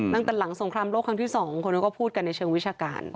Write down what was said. ตั้งแต่หลังสงครามโลกครั้งที่๒คนก็พูดกันในเชิงวิชาการ